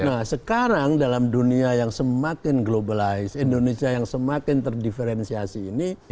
nah sekarang dalam dunia yang semakin globalized indonesia yang semakin terdiferensiasi ini